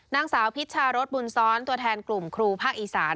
นางสาวพิชชารสบุญซ้อนตัวแทนกลุ่มครูภาคอีสาน